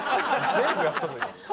全部やったぞ今。